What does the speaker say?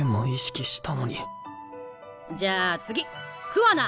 じゃあ次桑名。